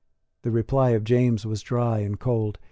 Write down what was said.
The reply of James was dry and cold.